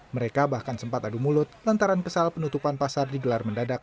mereka bahkan sempat adu mulut lantaran kesal penutupan pasar digelar mendadak